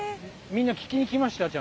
みんな聴きにきました？